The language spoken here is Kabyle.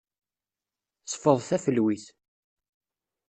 Sfeḍ tafelwit.